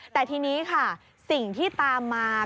แต่ทีนี้ค่ะสิ่งที่ตามมา